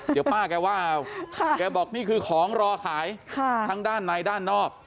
เดี๋ยวป้าแกว่าเอาแกบอกนี่คือของรอขายทั้งด้านในด้านนอก